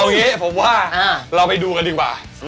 อย่างนี้ผมว่าเราไปดูกันดีกว่า